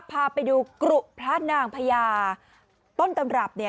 พาไปดูกฤหัสพระพระนางภรรยาต้นตำรับเนี่ย